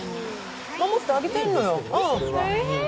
守ってあげてんのよ、うん。